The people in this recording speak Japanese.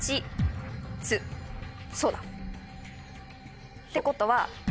そうだ！ってことは。